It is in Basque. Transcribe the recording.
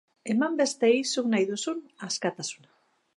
Eman besteei zuk nahi duzun askatasuna.